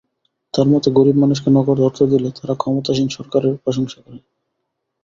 তাঁর মতে, গরিব মানুষকে নগদ অর্থ দিলে তারা ক্ষমতাসীন সরকারের প্রশংসা করে।